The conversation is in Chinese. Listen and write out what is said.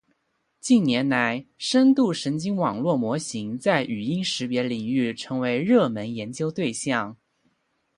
近年来，深度神经网络模型在语音识别领域成为热门研究对象。